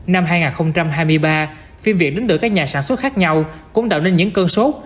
năm hai nghìn hai mươi ba phim việt đến từ các nhà sản xuất khác nhau cũng tạo nên những cơn sốt